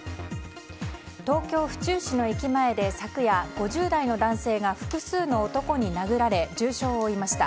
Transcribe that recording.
東京・府中市の駅前で昨夜５０代の男性が複数の男に殴られ重傷を負いました。